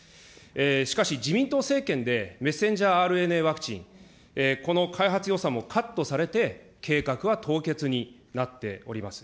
しかし、自民党政権でｍＲＮＡワクチン、この開発予算もカットされて、計画は凍結になっております。